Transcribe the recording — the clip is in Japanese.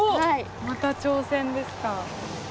また挑戦ですか。